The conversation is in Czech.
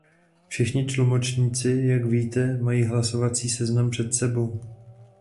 Všichni tlumočníci, jak víte, mají hlasovací seznam před sebou.